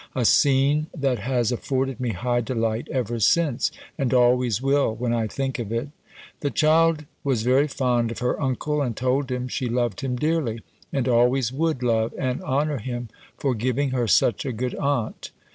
A scene that has afforded me high delight ever since; and always will, when I think of it. The child was very fond of her uncle, and told him she loved him dearly, and always would love and honour him, for giving her such a good aunt.